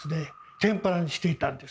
天ぷらにしていたんです。